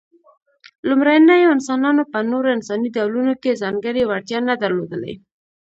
لومړنيو انسانانو په نورو انساني ډولونو کې ځانګړې وړتیا نه درلودلې.